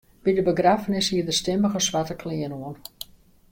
By de begraffenis hie er stimmige swarte klean oan.